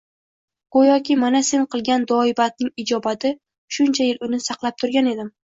Go`yoki Mana sen qilgan duoibadning ijobati, shuncha yil uni saqlab turgan edim